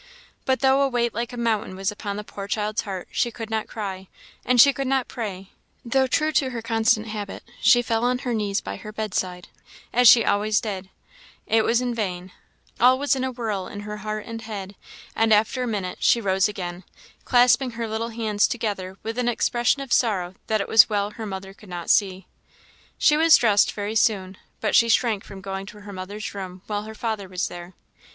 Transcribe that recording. But though a weight like a mountain was upon the poor child's heart, she could not cry; and she could not pray, though, true to her constant habit, she fell on her knees by her bedside, as she always did: it was in vain: all was in a whirl in her heart and head, and after a minute, she rose again, clasping her little hands together with an expression of sorrow that it was well her mother could not see. She was dressed very soon, but she shrank from going to her mother's room while her father was there.